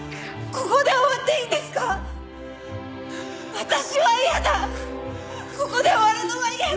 ここで終わるのは嫌だ！